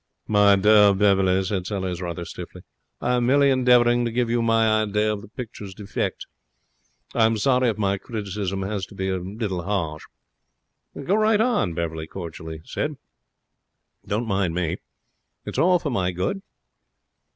'My dear Beverley,' said Sellers, rather stiffly, 'I am merely endeavouring to give you my idea of the picture's defects. I am sorry if my criticism has to be a little harsh.' 'Go right on,' said Beverley, cordially. 'Don't mind me; it's all for my good.'